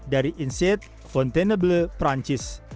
dari insead fontainebleau perancis